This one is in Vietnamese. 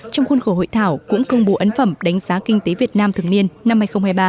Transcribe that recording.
trong khuôn khổ hội thảo cũng công bố ấn phẩm đánh giá kinh tế việt nam thường niên năm hai nghìn hai mươi ba